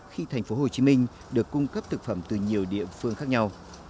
khi tp hcm được cung cấp thực phẩm từ nhiều địa phương khác nhau